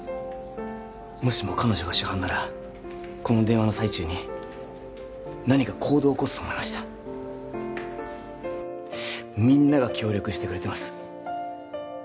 もしも彼女が主犯ならこの電話の最中に何か行動を起こすと思いましたみんなが協力してくれてます